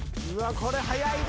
これ速いで。